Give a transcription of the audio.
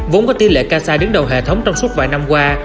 vốn có tỷ lệ casi đứng đầu hệ thống trong suốt vài năm qua